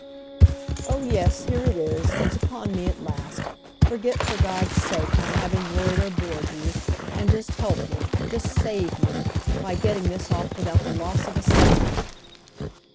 "Oh yes, here it is—it's upon me at last! Forget, for God's sake, my having worried or bored you, and just help me, just save me, by getting this off without the loss of a second!"